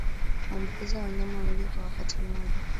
huambukiza wanyama wengi kwa wakati mmoja